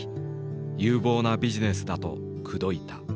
「有望なビジネスだ」と口説いた。